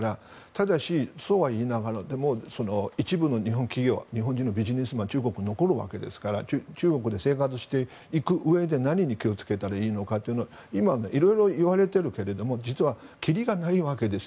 ただし、そうはいいながらも一部の日本企業、ビジネスマンは中国に残るわけですから中国で生活していくうえで何に気を付けたらいいのか今いろいろいわれているけど実は、きりがないわけです。